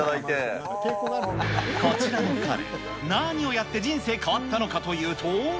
こちらの彼、何をやって人生変わったのかというと。